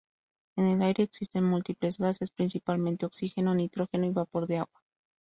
En el aire existen múltiples gases, principalmente oxígeno, nitrógeno y vapor de agua.